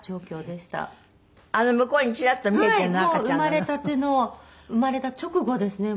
もう生まれたての生まれた直後ですね。